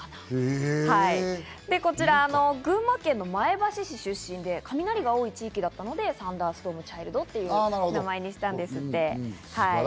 こちら、群馬県の前橋市出身で雷が多い地域だったので、サンダーストーム・チャイルドという名前にしたそうです。